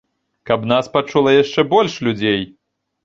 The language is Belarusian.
Каб нас пачула яшчэ больш людзей!